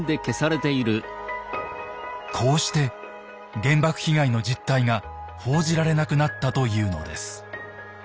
こうして原爆被害の実態が報じられなくなったというのです。